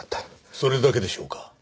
それだけでしょうか？